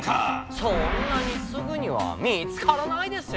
そんなにすぐには見つからないですよ。